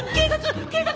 警察！